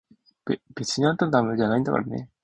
べ、別にあんたのためじゃないんだからね！